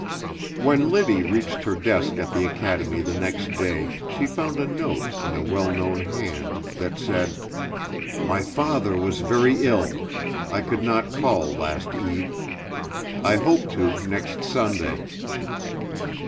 When Liddy reached her desk at the academy the next day she found a note in a well known hand that said: "My father was very ill. I could not call last eve. I hope to next Sunday."